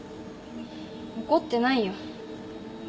怒ってないよ。